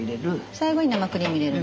最後に生クリーム入れる？